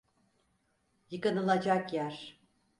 Yıkanılacak yer.